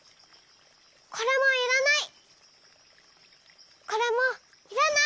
これもいらない。